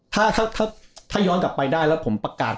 ถ้าย้อนกลับไปได้แล้วผมประกาศ